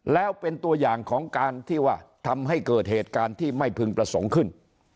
แล้วเป็นตัวอย่างของการที่ว่าทำให้เกิดเหตุการณ์ที่ไม่พึงประสงค์ขึ้น